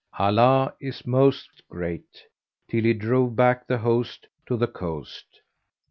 (Allah is Most Great) till he drove back the host to the coast.